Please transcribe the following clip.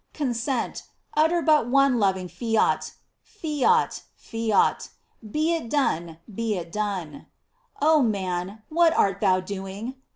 Con sent; utter but one loving fiat ; fiat\fiat; be it done, be it done. Oh man, what art thou doing?